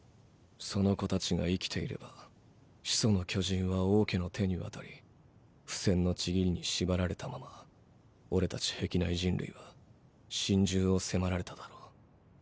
その子たちが生きていれば「始祖の巨人」は王家の手にわたり「不戦の契り」に縛られたままオレたち壁内人類は心中を迫られただろう。